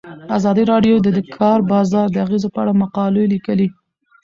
ازادي راډیو د د کار بازار د اغیزو په اړه مقالو لیکلي.